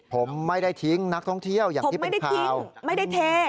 ผมไม่ได้ทิ้งนักท่องเที่ยวอย่างที่เป็นข่าวไม่ได้เท